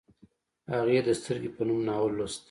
هغې د سترګې په نوم ناول لوست